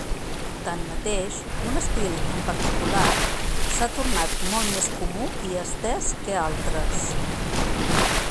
Tanmateix, un estil en particular s'ha tornat molt més comú i estès que altres.